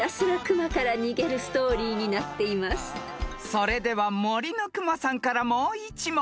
［それでは『森のくまさん』からもう１問］